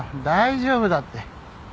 大丈夫だって。